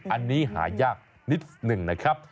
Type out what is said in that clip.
อันนี้หายากนิดหนึ่งนะครับ